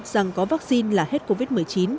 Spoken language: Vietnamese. rằng có vaccine là hết covid một mươi chín